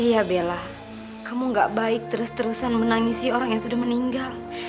iya bella kamu gak baik terus terusan menangisi orang yang sudah meninggal